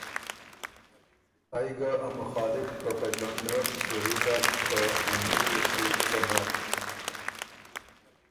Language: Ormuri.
ائ ګۀ ا مخالف پروپېګنډۀ شُوري داک که ”امیر يې سو څۀ بَۀ،